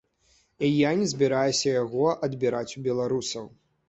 І я не збіраюся яго адбіраць у беларусаў.